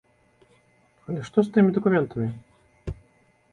Але што ж з тымі дакументамі?